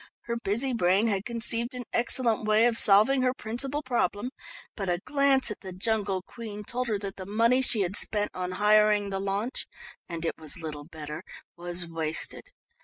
Her busy brain had conceived an excellent way of solving her principal problem, but a glance at the Jungle Queen told her that the money she had spent on hiring the launch and it was little better was wasted.